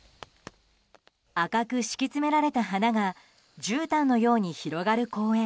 赤く敷き詰められた花がじゅうたんのように広がる公園。